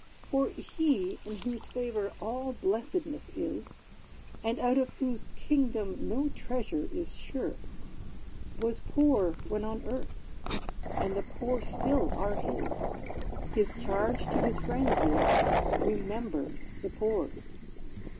For He in whose favor all blessedness is; And out of whose kingdom no treasure is sure, Was poor when on earth; and the poor still are his: His charge to his friends is "Remember the poor."